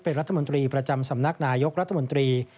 เป็นรัฐมนตรีประจำสำนักนายกรัฐมนตรี